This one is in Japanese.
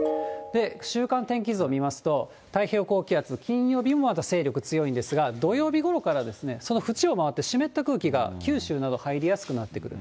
週間天気図を見ますと、太平洋高気圧、金曜日もまた勢力強いんですが、土曜日ごろから、その縁を回って湿った空気が九州など入りやすくなってくる。